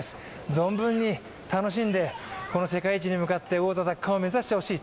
存分に楽しんで、この世界一に向かって王座奪還を目指してほしい。